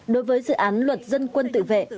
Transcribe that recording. đối với sự án luật dân quân tự vệ